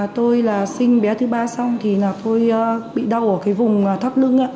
tôi sinh bé thứ ba xong tôi bị đau ở vùng thắt lưng